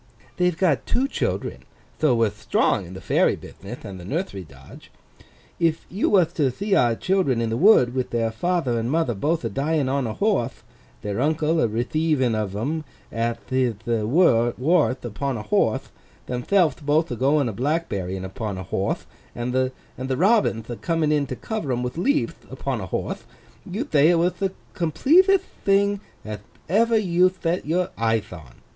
They've got two children, tho we're thtrong in the Fairy bithnith and the Nurthery dodge. If you wath to thee our Children in the Wood, with their father and mother both a dyin' on a horthe—their uncle a retheiving of 'em ath hith wardth, upon a horthe—themthelvth both a goin' a black berryin' on a horthe—and the Robinth a coming in to cover 'em with leavth, upon a horthe—you'd thay it wath the completetht thing ath ever you thet your eyeth on!